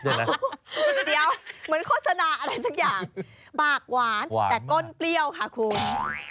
เดี๋ยวเหมือนโฆษณาอะไรสักอย่างบากหวานแต่ก้นเปรี้ยวค่ะคุณ